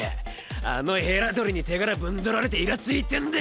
あのヘラ鳥に手柄ブン奪られてイラついてんだ。